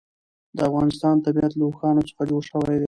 د افغانستان طبیعت له اوښانو څخه جوړ شوی دی.